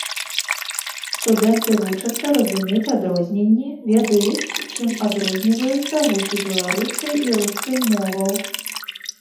Студэнты вучацца разумець адрозненні, ведаюць, чым адрозніваюцца гукі беларускай і рускай моваў.